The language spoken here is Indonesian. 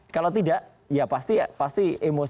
kalau tidak ya pasti emosi